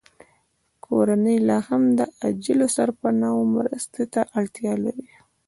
کورنۍ لاهم د عاجلو سرپناه مرستو ته اړتیا لري